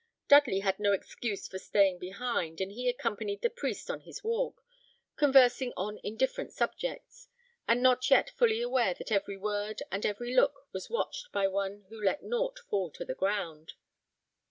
Dudley had no excuse for staying behind, and he accompanied the priest on his walk, conversing on indifferent subjects, and not yet fully aware that every word and even look, was watched by one who let nought fall to the ground.